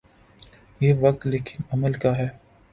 یہ وقت لیکن عمل کا ہے۔